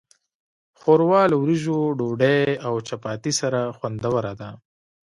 ښوروا له وریژو، ډوډۍ، او چپاتي سره خوندوره ده.